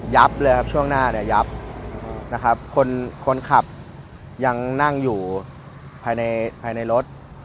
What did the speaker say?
เลยครับช่วงหน้าเนี่ยยับนะครับคนคนขับยังนั่งอยู่ภายในภายในรถ